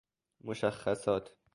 مشخصات